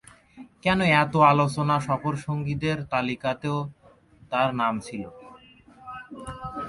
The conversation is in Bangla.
কেন এত আলোচনা সফরসঙ্গীদের তালিকাতেও তার নাম ছিল।